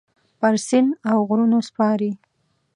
پر سیند اوغرونو سپارې